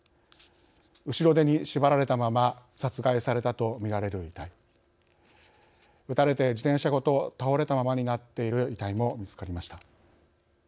後ろ手に縛られたまま殺害されたとみられる遺体撃たれて、自転車ごと倒れたままになっている遺体も見つかりました。